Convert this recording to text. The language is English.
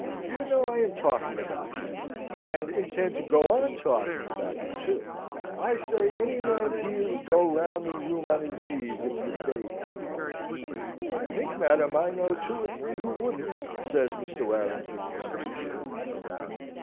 You know I am talking about you; and intend to go on talking about you, too. I say any man here would go round the room on his knees, if you bade him!" "I think, madam, I know two or three who wouldn't!" says Mr. Warrington, with some spirit.